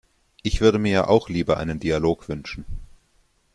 Ich würde mir ja auch lieber einen Dialog wünschen.